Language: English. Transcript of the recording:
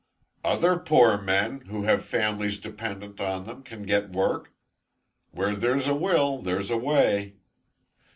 "Other poor men, who have families dependent on them, can get work. Where there's a will there's a way.